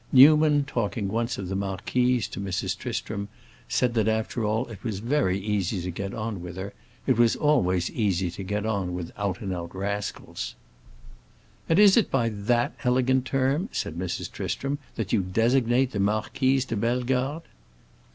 Newman, talking once of the marquise to Mrs. Tristram, said that after all it was very easy to get on with her; it always was easy to get on with out and out rascals. "And is it by that elegant term," said Mrs. Tristram, "that you designate the Marquise de Bellegarde?"